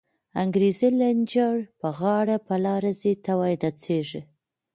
انگریزی لنچر په غاړه، په لار ځی ته وایی نڅیږی